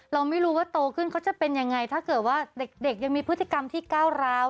เราไม่รู้ว่าโตขึ้นเขาจะเป็นยังไงถ้าเกิดว่าเด็กยังมีพฤติกรรมที่ก้าวร้าว